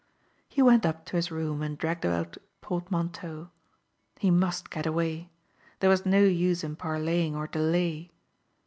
" He went up to his room and dragged out a portmanteau. He must get away. There was no use in parleying or de lay.